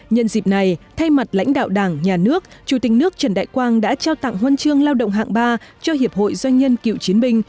nhân dịp này thay mặt lãnh đạo đảng nhà nước chủ tịch nước trần đại quang đã trao tặng huân chương lao động hạng ba cho hiệp hội doanh nhân cựu chiến binh